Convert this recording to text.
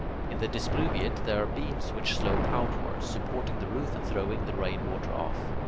In the displuviate, there are beams which slope outwards, supporting the roof and throwing the rainwater off.